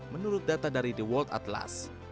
menurut data dari the world atlas